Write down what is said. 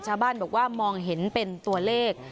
ชาวบ้านบอกว่ามองเห็นเป็นตัวเลข